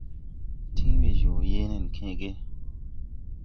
Tin weejoo yee nen kęę ge.